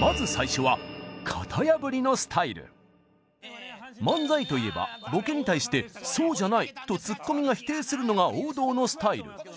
まず最初は漫才といえばボケに対して「そうじゃない」とツッコミが否定するのが王道のスタイル。